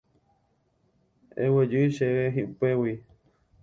Eguejy chéve upégui.